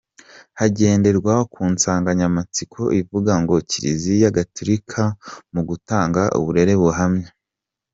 Hagenderwa ku nsanganyamatsiko ivuga ngo Kiliziya gaturika mu gutanga uburere buhamye.